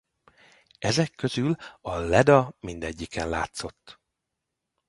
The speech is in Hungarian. Ezek közül a Leda mindegyiken látszott.